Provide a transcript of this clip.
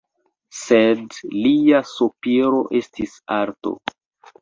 Sed lia sopiro estis arto.